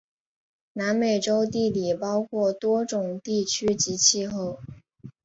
南美洲地理包括多种地区及气候。